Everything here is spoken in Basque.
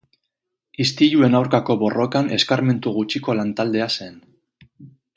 Istiluen aurkako borrokan eskarmentu gutxiko lan-taldea zen.